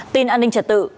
tin an ninh trật tự